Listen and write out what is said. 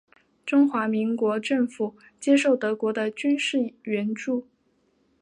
中华民国政府接受德国的军事援助。